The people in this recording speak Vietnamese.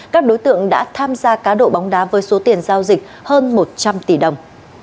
các đối tượng đã tham gia cá độ bóng đá với số tiền giao dịch hơn một trăm linh tỷ đồng